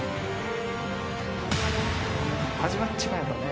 始まっちまえばね。